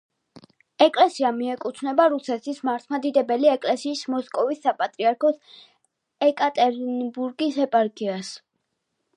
ეკლესია მიეკუთვნება რუსეთის მართლმადიდებელი ეკლესიის მოსკოვის საპატრიარქოს ეკატერინბურგის ეპარქიას.